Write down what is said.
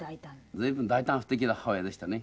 随分大胆不敵な母親でしたね。